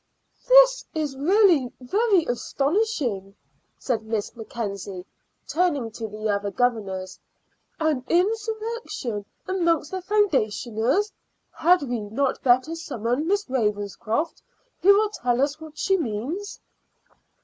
"This is really very astonishing," said Miss Mackenzie, turning to the other governors. "An insurrection amongst the foundationers! Had we not better summon Miss Ravenscroft, who will tell us what she means?"